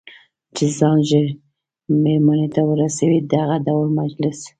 چې ځان ژر مېرمنې ته ورسوي، دغه ډول مجلس.